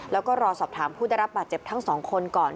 แล้วก็รอสอบถามผู้ได้รับบาดเจ็บทั้งสองคนก่อน